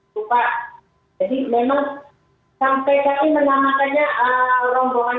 tapi memang sampai tadi menamatannya rombongan kami